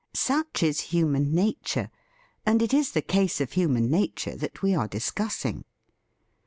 Such is human nature, and it is the case of human nature that we are discussing.